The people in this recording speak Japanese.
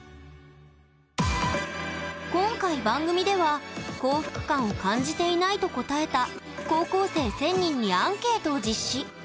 今回、番組では幸福感を感じていないと答えた高校生１０００人にアンケートを実施。